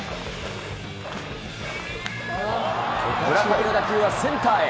村上の打球はセンターへ。